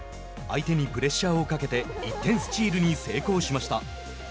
相手にプレッシャーをかけて１点スチールに成功しました。